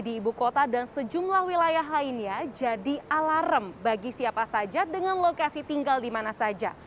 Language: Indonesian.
di ibu kota dan sejumlah wilayah lainnya jadi alarm bagi siapa saja dengan lokasi tinggal di mana saja